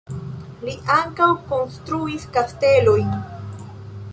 Li ankaŭ konstruis kastelojn.